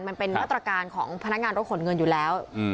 มันเป็นมาตรการของพนักงานรถขนเงินอยู่แล้ว